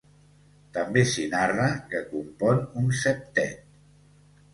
També s'hi narra que compon un septet.